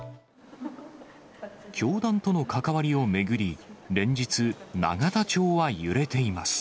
教団との関わりを巡り、連日、永田町は揺れています。